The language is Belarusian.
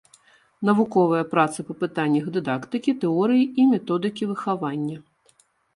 Навуковыя працы па пытаннях дыдактыкі, тэорыі і методыкі выхавання.